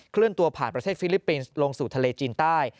เลื่อนตัวผ่านประเทศฟิลิปปินส์ลงสู่ทะเลจีนใต้